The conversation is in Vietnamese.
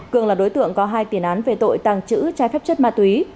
cường là đối tượng có hai tiền án về tội tàng trữ trái phép chất ma túy